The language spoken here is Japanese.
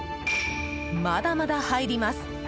まだまだ入ります。